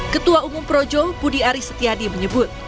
ketua umum projo budi aris setiadi menyebut